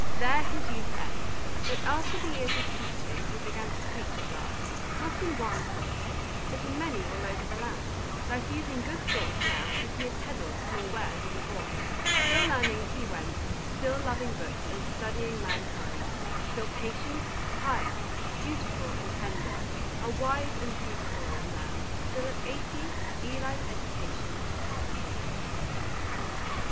There his youth ends; but after the years of teaching he began to preach at last, not in one pulpit, but in many all over the land, diffusing good thoughts now as he had peddled small wares when a boy; still learning as he went, still loving books and studying mankind, still patient, pious, dutiful, and tender, a wise and beautiful old man, till, at eighty, Eli's education ended.